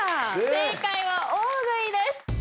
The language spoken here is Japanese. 正解は大食いです。